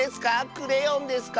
クレヨンですか？